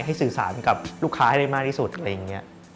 สื่อสารกับลูกค้าให้ได้มากที่สุดอะไรอย่างนี้